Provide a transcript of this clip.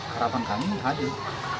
harapan kami hadir